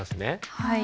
はい。